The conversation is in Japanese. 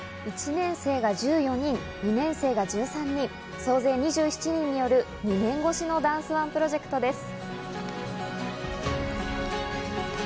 １年生が１４人、２年生が１３人、総勢２７人による２年越しのダンスＯＮＥプロジェクトです。